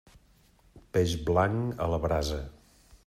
Peix blanc, a la brasa.